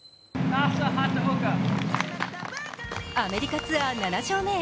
アメリカツアー７勝目へ。